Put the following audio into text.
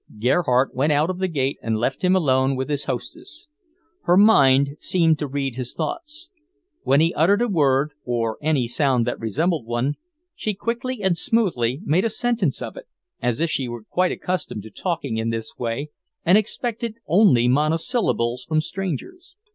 Gerhardt went out of the gate and left him alone with his hostess. Her mind seemed to read his thoughts. When he uttered a word, or any sound that resembled one, she quickly and smoothly made a sentence of it, as if she were quite accustomed to talking in this way and expected only monosyllables from strangers.